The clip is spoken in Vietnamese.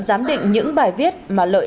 giám định những bài viết mà lợi